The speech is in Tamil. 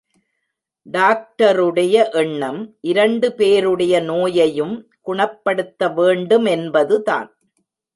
டாக்டருடைய எண்ணம் இரண்டு பேருடைய நோயையும் குணப்படுத்த வேண்டுமென்பதுதான்.